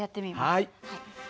はい。